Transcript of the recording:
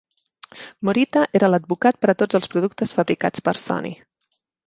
Morita era l"advocat per a tots els productes fabricats per Sony.